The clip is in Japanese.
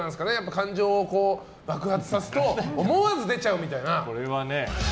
感情を爆発させると思わず出ちゃうみたいな。